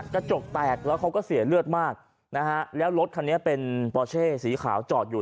กระจกแตกแล้วเขาก็เสียเลือดมากนะฮะแล้วรถคันนี้เป็นปอเช่สีขาวจอดอยู่